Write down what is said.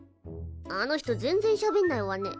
あの人全然しゃべんないわね。